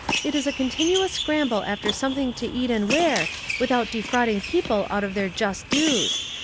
It is a continuous scramble after something to eat and wear, without defrauding people out of their just dues.